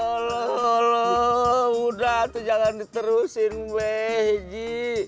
alah alah udah tuh jangan diterusin pak ji